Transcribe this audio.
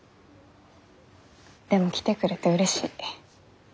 でも来てくれてうれしい。